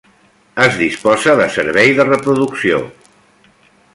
Es disposa de servei de reproducció.